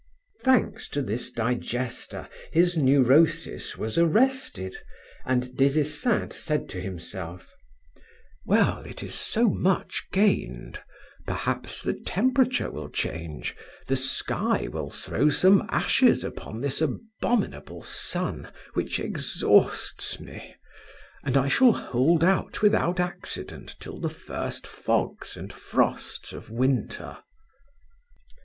Thanks to this digester, his neurosis was arrested and Des Esseintes said to himself: "Well, it is so much gained; perhaps the temperature will change, the sky will throw some ashes upon this abominable sun which exhausts me, and I shall hold out without accident till the first fogs and frosts of winter."